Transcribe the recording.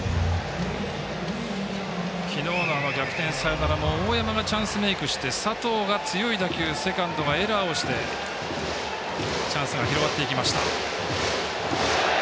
昨日の逆転サヨナラも大山がチャンスメイクして佐藤が強い打球セカンドがエラーしてチャンスが広がっていきました。